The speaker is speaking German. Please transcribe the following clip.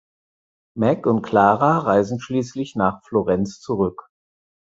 Meg und Clara reisen schließlich nach Florenz zurück.